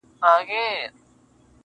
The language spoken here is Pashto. • خو ذهنونه نه ارامېږي هېڅکله..